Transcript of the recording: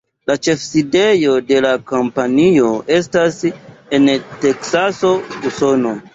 La ĉefsidejo de la kompanio estas en Teksaso, Usono.